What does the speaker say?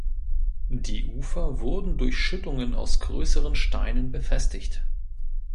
Die Ufer wurden durch Schüttungen aus größeren Steinen befestigt.